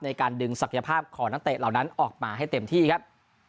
สังเกตุภาพของนักเตะเหล่านั้นออกมาให้เต็มที่ครับ